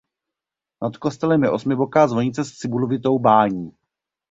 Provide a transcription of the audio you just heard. Nad kostelem je osmiboká zvonice s cibulovitou bání.